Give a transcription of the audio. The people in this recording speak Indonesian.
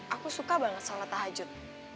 aku suka banget salat tahajud